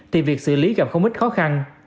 thì việc xử lý gặp không ít khó khăn